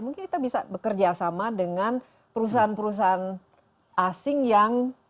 mungkin kita bisa bekerja sama dengan perusahaan perusahaan asing yang